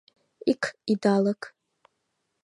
Ик идалык